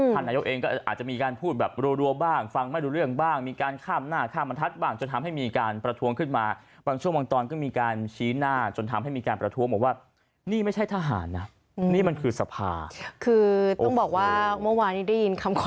ต้องบอกว่าเมื่อวานนี้ได้ยินคำขอโทษจากนายกเยอะมาก